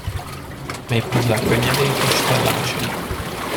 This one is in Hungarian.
Méghozzá könnyedén és szellemesen.